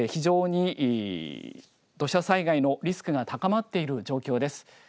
非常に土砂災害のリスクが高まっている状況です。